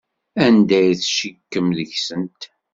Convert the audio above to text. Anda ay tcikkem deg-sent?